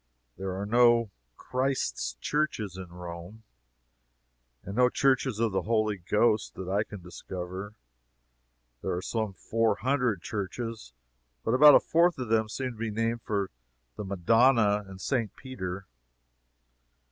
There are no "Christ's Churches" in Rome, and no "Churches of the Holy Ghost," that I can discover. There are some four hundred churches, but about a fourth of them seem to be named for the Madonna and St. Peter.